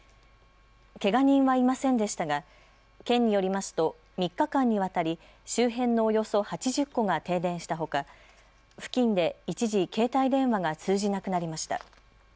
けが人はいませんでしたが県によりますと３日間にわたり周辺のおよそ８０戸が停電したほか、付近で一時、携帯電話が通じなくなりました。